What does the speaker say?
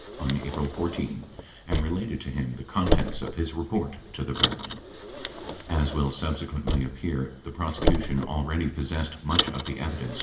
on April 14 and related to him the contents of his report to the President. 79 As will subsequently appear, the pros ecution already possessed much of the evidence Ehrlichman offered.